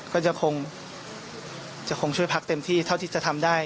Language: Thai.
ก็จะคงจะคงช่วยพักเต็มที่เท่าที่จะทำได้